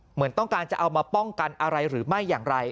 เหมือนต้องการจะเอามาป้องกันอะไรหรือไม่อย่างไร